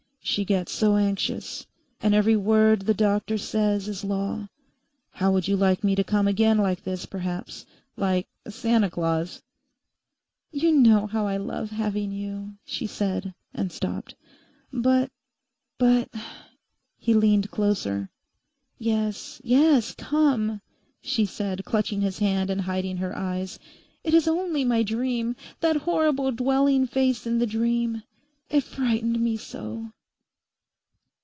She gets so anxious, and every word the doctor says is law. How would you like me to come again like this, perhaps?—like Santa Claus?' 'You know how I love having you,' she said, and stopped. 'But—but...' He leaned closer. 'Yes, yes, come,' she said, clutching his hand and hiding her eyes; 'it is only my dream—that horrible, dwelling face in the dream; it frightened me so.